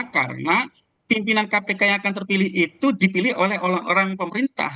karena pimpinan kpk yang akan terpilih itu dipilih oleh orang orang pemerintah